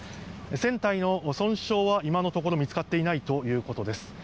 船体の損傷は今のところ見つかっていないということです。